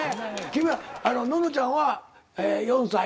君はののちゃんは４歳。